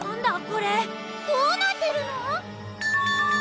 これどうなってるの？